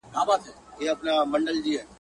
خپل عېب د ولو منځ دئ.